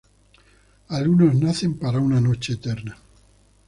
Algunos nacen para una noche eterna.